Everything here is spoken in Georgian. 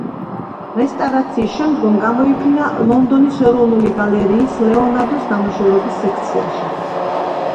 რესტავრაციის შემდგომ გამოიფინა ლონდონის ეროვნული გალერიის ლეონარდოს ნამუშევრების სექციაში.